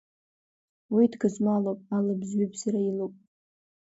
Уи дгызмалоуп, алыбз-ҩыбзра илоуп.